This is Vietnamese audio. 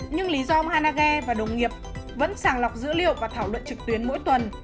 nhưng lý do hanage và đồng nghiệp vẫn sàng lọc dữ liệu và thảo luận trực tuyến mỗi tuần